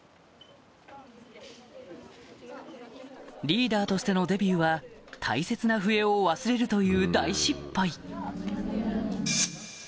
リーダーとしてのデビューは大切な笛を忘れるという大失敗